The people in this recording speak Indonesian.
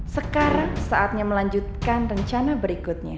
sekar saatnya melanjutkan rencana berikutnya